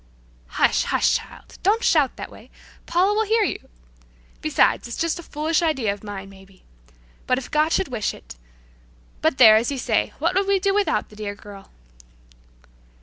"Hush! Hush, child! Don't shout that way, Paula will hear you! Besides it's just a foolish idea of mine, maybe. But if God should wish it But there, as you say, what would we do without the dear girl?"